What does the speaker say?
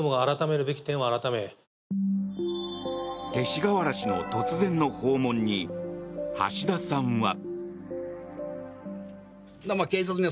勅使河原氏の突然の訪問に橋田さんは。